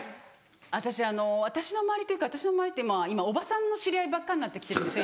私あの私の周りっていうか私の周りって今おばさんの知り合いばっかになって来てるんですよ